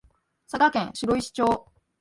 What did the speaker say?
佐賀県白石町